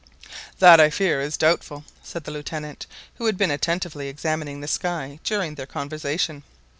"That I fear is doubtful," said the Lieutenant, who had been attentively examining the sky during their conversation.